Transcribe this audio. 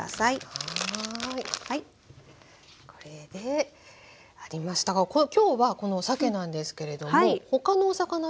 これで入りましたが今日はこのさけなんですけれども他のお魚でもいいですか？